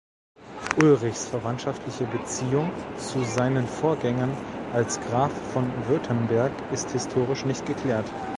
Ulrichs verwandtschaftliche Beziehung zu seinen Vorgängern als Graf von Württemberg ist historisch nicht geklärt.